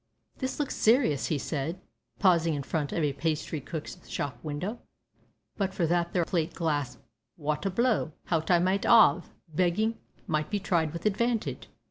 "This looks serious," he said, pausing in front of a pastry cook's shop window. "But for that there plate glass wot a blow hout I might 'ave! Beggin' might be tried with advantage.